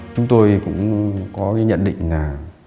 chúng tôi cũng có cái nhận định là